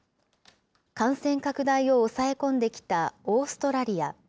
感染拡大を抑え込んできたオーストラリア。